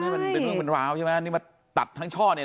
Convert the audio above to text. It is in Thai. เป็นเรื่องเป็นร้าวใช่ไหมอ่ะนี้มาตัดทั้งช่อเนี่ย